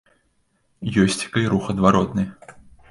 Ёсцека і рух адваротны.